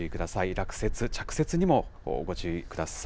落雪、着雪にもご注意ください。